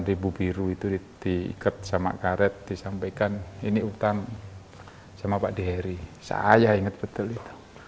ribu biru itu di ikat sama karet disampaikan ini hutan sama pak diheri saya ingat betul itu